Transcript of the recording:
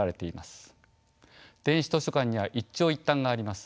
電子図書館には一長一短があります。